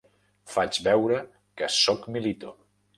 Faig veure que sóc Milito.